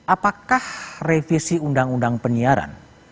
apakah revisi undang undang penyiaran